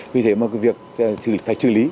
vì thế mà việc phải xử lý